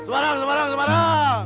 semarang semarang semarang